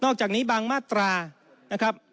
จากนี้บางมาตรานะครับ